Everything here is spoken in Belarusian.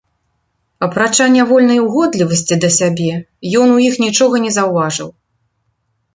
Апрача нявольнай угодлівасці да сябе, ён у іх нічога не заўважыў.